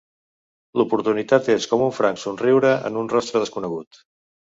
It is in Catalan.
L'oportunitat és com un franc somriure en un rostre desconegut.